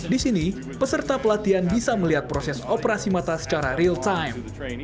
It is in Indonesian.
di sini peserta pelatihan bisa melihat proses operasi mata secara real time